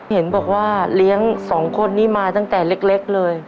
เห็นบอกว่าเลี้ยงสองคนนี้มาตั้งแต่เล็กเลย